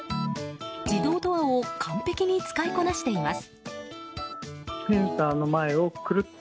自動ドアを完璧に使いこなしています。